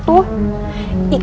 itu tak pekerjaannya cucu